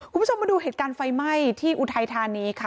คุณผู้ชมมาดูเหตุการณ์ไฟไหม้ที่อุทัยธานีค่ะ